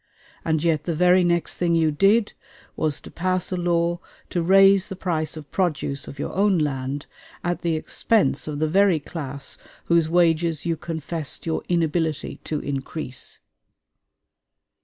And yet the very next thing you did was to pass a law to raise the price of produce of your own land, at the expense of the very class whose wages you confessed your inability to increase.